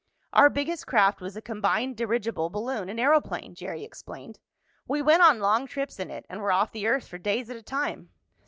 "Our biggest craft was a combined dirigible balloon and aeroplane," Jerry explained. "We went on long trips in it, and were off the earth for days at a time."